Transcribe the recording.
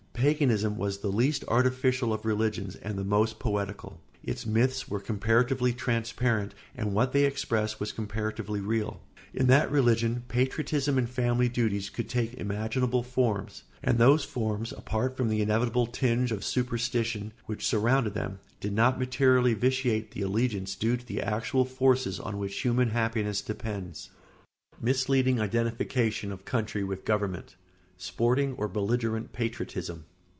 Paganism was the least artificial of religions and the most poetical; its myths were comparatively transparent and what they expressed was comparatively real. In that religion patriotism and family duties could take imaginable forms, and those forms, apart from the inevitable tinge of superstition which surrounded them, did not materially vitiate the allegiance due to the actual forces on which human happiness depends. [Sidenote: Misleading identification of country with government.] [Sidenote: Sporting or belligerent patriotism.